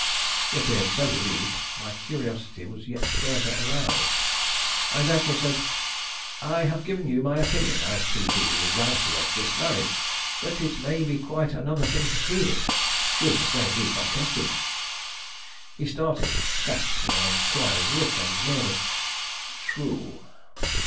He appeared so relieved, my curiosity was yet further aroused. I therefore said: "I have given you my opinion as to the legality of this marriage; but it may be quite another thing to prove it, should the same be contested." He started, cast me an inquiring look, and murmured: "True."